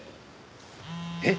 えっ？